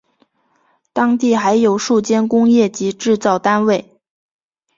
当地还有数间工业及制造单位。